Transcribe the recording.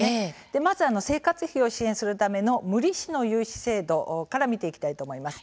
まず生活費を支援するための無利子の融資制度から見ていきたいと思います。